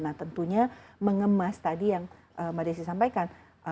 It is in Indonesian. nah tentunya mengemas tadi yang md desy sampaikan